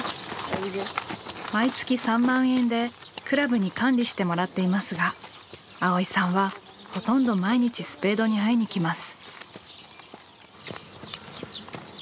毎月３万円で倶楽部に管理してもらっていますが蒼依さんはほとんど毎日スペードに会いにきます。